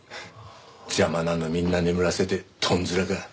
邪魔なのみんな眠らせてとんずらか。